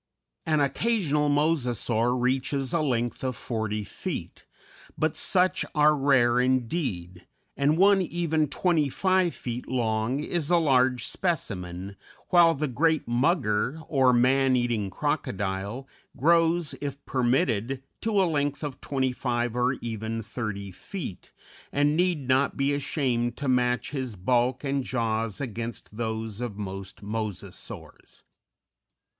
An occasional Mosasaur reaches a length of forty feet, but such are rare indeed, and one even twenty five feet long is a large specimen, while the great Mugger, or Man eating Crocodile, grows, if permitted, to a length of twenty five or even thirty feet, and need not be ashamed to match his bulk and jaws against those of most Mosasaurs.